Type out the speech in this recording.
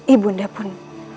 ibu anda pun